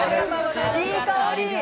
いい香り。